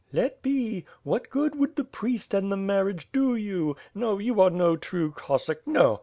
"Let be. What good would the Priest and the marriage do you? No, you are no true Cossack. No!